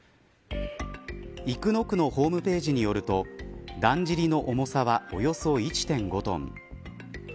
生野区のホームページによるとだんじりの重さはおよそ１．５トン